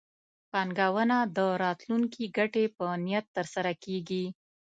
پانګونه د راتلونکي ګټې په نیت ترسره کېږي.